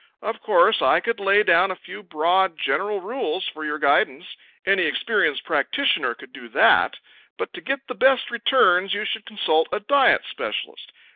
Of course I could lay down a few broad general rules for your guidance any experienced practitioner could do that but to get the best returns you should consult a diet specialist.